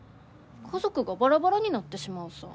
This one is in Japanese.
家族がバラバラになってしまうさ。